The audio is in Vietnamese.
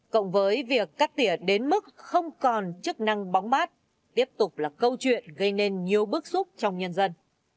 cộng với việc cắt tỉa đến mức không còn chức năng bóng mát tiếp tục là câu chuyện gây nên nhiều bức xúc trong nhân dân